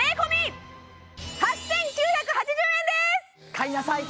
買いなさい！